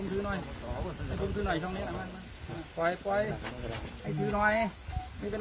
ไม่ปล่อยให้ผมถือหน่อย